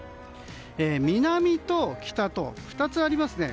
南と北と、２つありますね。